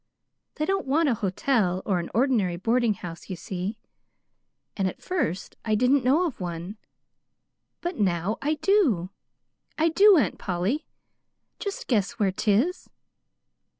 They don't want a hotel or an ordinary boarding house, you see. And at first I didn't know of one; but now I do. I do, Aunt Polly! Just guess where 'tis."